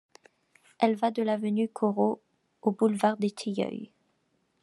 Elle va de l'avenue Corot au boulevard des Tilleuils.